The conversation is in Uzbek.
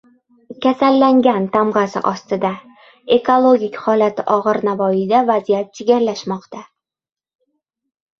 «Kasallangan» tamg‘asi ostida. Ekologik holati og‘ir Navoiyda vaziyat chigallashmoqda